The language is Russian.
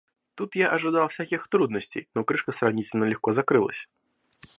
Тут я ожидал всяких трудностей, но крышка сравнительно легко закрылась.